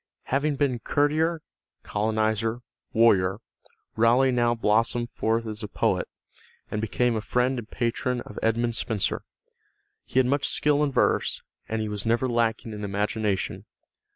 Having been courtier, colonizer, warrior, Raleigh now blossomed forth as a poet, and became a friend and patron of Edmund Spenser. He had much skill in verse, and he was never lacking in imagination.